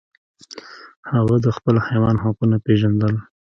هغه د خپل حیوان حقونه پیژندل.